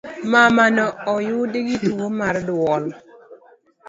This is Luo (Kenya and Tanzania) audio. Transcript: Mamano oyudgi tuo mar duol